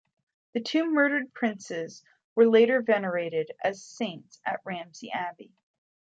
The two murdered princes were later venerated as saints at Ramsey Abbey.